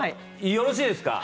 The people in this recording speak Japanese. よろしいですか？